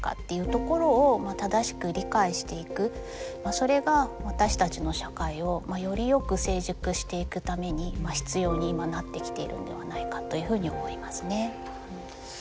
それが私たちの社会をよりよく成熟していくために必要になってきているんではないかというふうに思いますね。